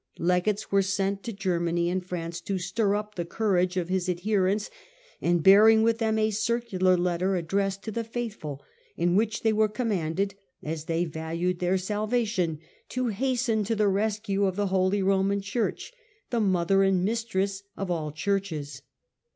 _ Legates were sent to Germany and France to stir up the courage of his adherents, and bearing with them a circular letter addressed to the faithful, in which they were commanded, as they valued their salvation, to hasten to the rescue of the Holy Roman Church, the mother and mistress of all churches.